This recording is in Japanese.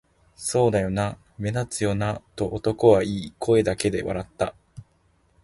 「そうだよな、目立つよな」と男は言い、声だけで笑った